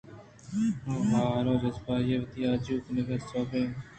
ءُ وار ءُ جَزائی وتی آ جُو کنگ ءَ سوبین بُوت